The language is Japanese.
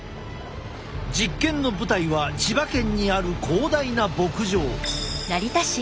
実験の舞台は千葉県にある広大な牧場。